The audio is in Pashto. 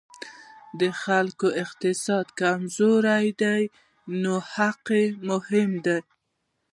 د خلکو اقتصاد کمزوری دی نو حق مهم دی.